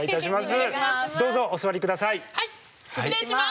失礼します。